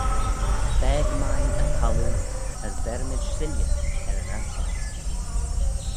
Agh faag main y thalloo, as vermayd shilley er yn 'aarkey.